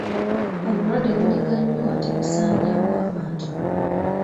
Obulwadde bunyiga nnyo ate busaanyaawo abantu.